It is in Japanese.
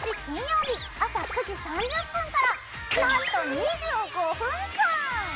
金曜日朝９時３０分からなんと２５分間！